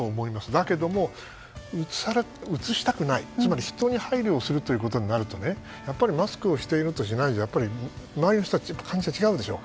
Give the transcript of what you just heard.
だけども、うつしたくないつまり、人に配慮するということになるとマスクをしているとしないじゃ周りの人たちの感じ方違うでしょ。